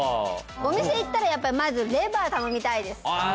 お店行ったらやっぱりまずレバー頼みたいです